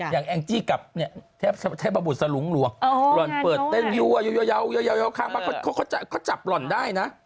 อย่างแองจี้กับเนี่ยแทบประบุสรุงหลวงรอนเปิดแต่อยู่อย่าข้างบ้างเขาจับรอนได้นะ